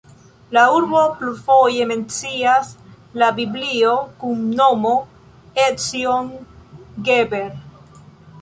La urbon plurfoje mencias la Biblio kun nomo Ecjon-Geber.